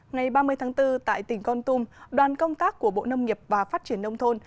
ngày ba mươi tháng bốn tại tỉnh con tum đoàn công tác của bộ nông nghiệp và phát triển nông thôn